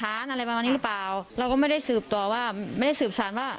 อะไรประมาณนี้หรือเปล่าเราก็ไม่ได้สืบต่อว่าไม่ได้สืบสารว่า